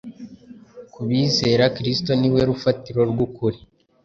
Ku bizera, Kristo ni we rufatiro rw’ukuri.